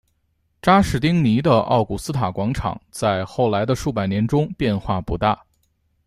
查士丁尼的奥古斯塔广场在后来的数百年中变化不大。